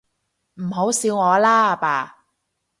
唔好笑我啦，阿爸